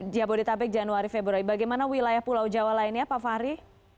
jabodetabek januari februari bagaimana wilayah pulau jawa lainnya pak fahri